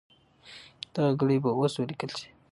دغه ګړې به اوس ولیکل سي.